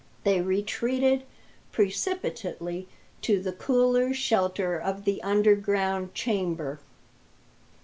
They retreated precipitately to the cooler shelter of the underground chamber.